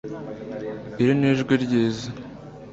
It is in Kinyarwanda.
Iri ni ijwi ryiza